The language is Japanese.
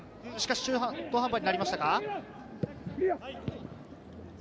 中途半端になりましたか？